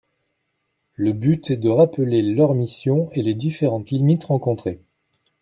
Le but est de rappeler leurs missions et les différentes limites rencontrées